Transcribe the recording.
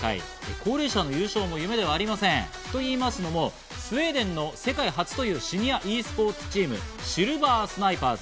高齢者の優勝も夢ではありませんと言いますのもスウェーデンの世界初というシニアｅスポーツチームシルバースナイパーズ。